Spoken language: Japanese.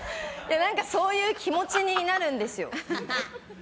なんか、そういう気持ちになるんですよ。